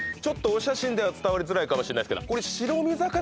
お写真では伝わりづらいかもしれないけどこれ。